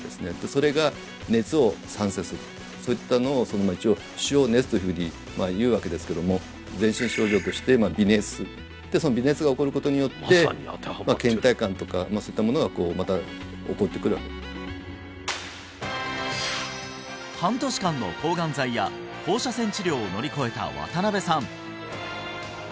それが熱を産生するそういったのを一応腫瘍熱というふうにいうわけですけども全身症状として微熱その微熱が起こることによって倦怠感とかそういったものがまた起こってくる半年間の抗がん剤や放射線治療を乗り越えた渡邉さん